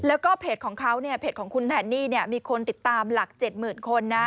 แล้วก็เพจของเขาเนี่ยเพจของคุณแทนนี่มีคนติดตามหลัก๗๐๐คนนะ